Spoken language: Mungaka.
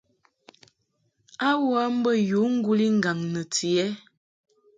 A wə mbə yǔ ŋguli ŋgaŋ nɨti ɛ ?